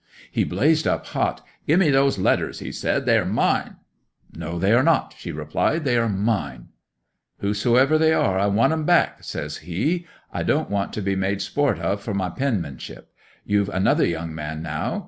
'He blazed up hot. "Give me those letters!" he said. "They are mine!" '"No, they are not," she replied; "they are mine." '"Whos'ever they are I want them back," says he. "I don't want to be made sport of for my penmanship: you've another young man now!